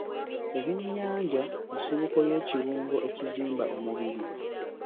Ebyennyanja nsibuko y'ekirungo ekizimba omubiri.